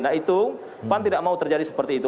nah itu pan tidak mau terjadi seperti itu